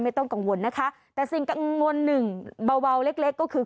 ไม่ต้องกังวลนะคะแต่สิ่งกังวลหนึ่งเบาเล็กเล็กก็คือ